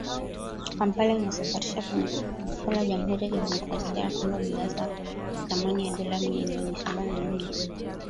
Kampala inasafirisha kwenda Jamuhuri ya Kidemokrasia ya Kongo bidhaa za thamani ya dola milioni sabini na nne